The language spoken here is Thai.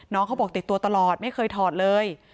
น้องเขาบอกติดตัวตลอดไม่เคยถอดเลย